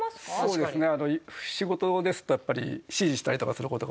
そうですね。